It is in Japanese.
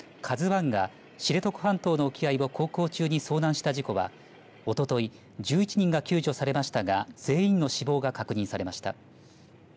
ＫＡＺＵＩが知床半島の沖合を航行中に遭難した事故はおととい１１人が救助されましたが全員の死亡が確認されました。